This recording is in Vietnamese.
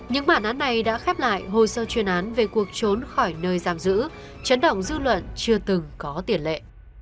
những bản án này đã khép lại hồ sơ chuyên án về cuộc trốn khỏi nơi giam giữ chấn động dư luận chưa từng có tiền lệ